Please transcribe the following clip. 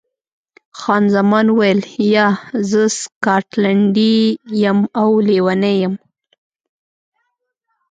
خان زمان وویل، یا، زه سکاټلنډۍ یم او لیونۍ یم.